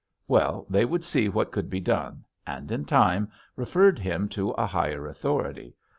Well, they would see what could be done, and in time referred him to a higher authority.